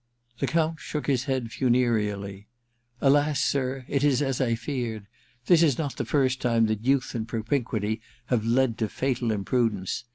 The Count shook his head funereally. * Alas, sir, it is as I feared. This is not the first time that youth and propinquity have led to fatal imprudence.